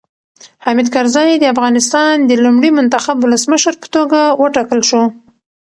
حامد کرزی د افغانستان د لومړي منتخب ولسمشر په توګه وټاکل شو.